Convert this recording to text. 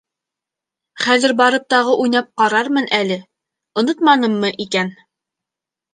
-Хәҙер барып тағы уйнап ҡарармын әле, онотманыммы икән.